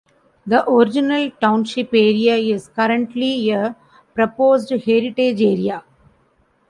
The original township area is currently a proposed heritage area.